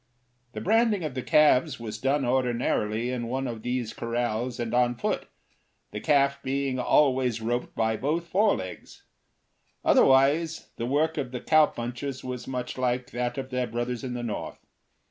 The branding of the calves was done ordinarily in one of these corrals and on foot, the calf being always roped by both forelegs; otherwise the work of the cowpunchers was much like that of their brothers in the North.